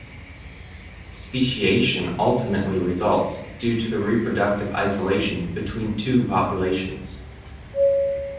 Speciation ultimately results due to the reproductive isolation between two populations.